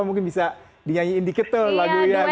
mungkin bisa dinyanyiin dikit tuh lagunya buat kita